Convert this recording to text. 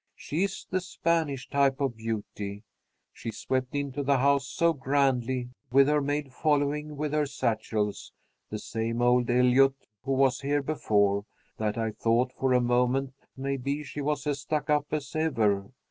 She is the Spanish type of beauty. She swept into the house so grandly, with her maid following with her satchels (the same old Eliot who was here before), that I thought for a moment maybe she was as stuck up as ever.